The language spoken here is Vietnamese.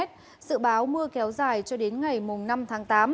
dự báo mưa kéo dài cho đến ngày năm tháng tám